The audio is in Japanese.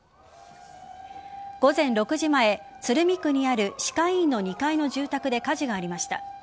午前６時前鶴見区にある歯科医院の２階の住宅で火事がありました。